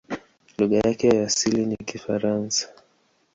Lugha yake ya asili ni Kifaransa.